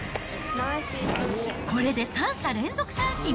これで三者連続三振。